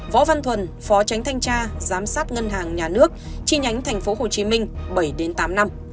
võ văn thuần phó tránh thanh tra giám sát ngân hàng nhà nước chi nhánh tp hcm bảy tám năm